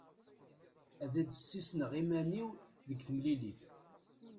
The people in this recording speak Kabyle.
Ad d-ssisneɣ iman-iw deg temlilit.